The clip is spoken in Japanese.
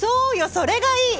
それがいい！